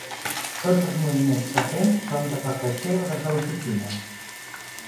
Tots els moviments que fem són des del caixer o des de l’oficina.